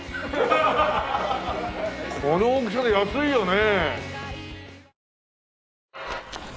この大きさで安いよね！